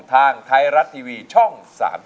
ทางไทยรัฐทีวีช่อง๓๒